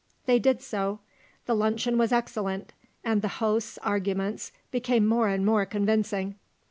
They did so. The luncheon was excellent, and the host's arguments became more and more convincing.